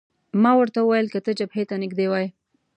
ما ورته وویل: که ته جبهې ته نږدې وای.